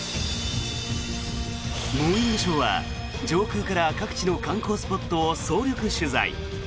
「モーニングショー」は上空から各地の観光スポットを総力取材。